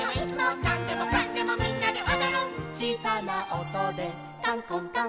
「なんでもかんでもみんなでおどる」「ちいさなおとでかんこんかん」